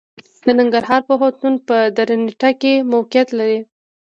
د ننګرهار پوهنتون په درنټه کې موقعيت لري.